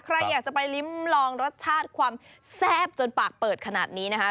ใครอยากจะไปลิ้มลองรสชาติความแซ่บจนปากเปิดขนาดนี้นะคะ